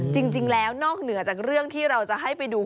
จริงแล้วนอกเหนือจากเรื่องที่เราจะให้ไปดู